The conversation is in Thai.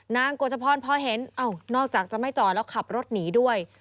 กฎจพรพอเห็นนอกจากจะไม่จอดแล้วขับรถหนีด้วย